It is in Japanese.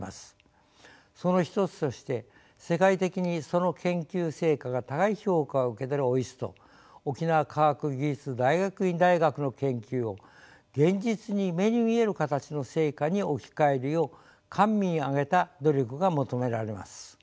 その一つとして世界的にその研究成果が高い評価を受けているＯＩＳＴ沖縄科学技術大学院大学の研究を現実に目に見える形の成果に置き換えるよう官民挙げた努力が求められます。